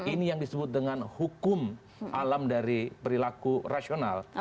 ini yang disebut dengan hukum alam dari perilaku rasional